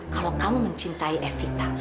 kalau kamu mencintai vita